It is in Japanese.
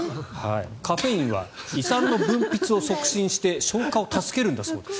カフェインは胃酸の分泌を促進して消化を助けるんだそうです。